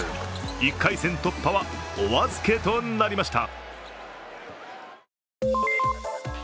１回戦突破はお預けとなりました。